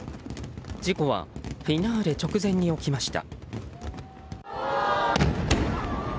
事故はフィナーレ直前に起きました。